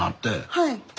はい。